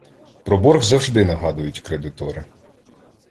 Про борг завжди нагадають кредитори.